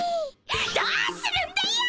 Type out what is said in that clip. どうするんだよ！